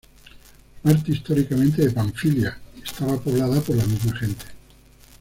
Parte históricamente de Panfilia, estaba poblada por la misma gente.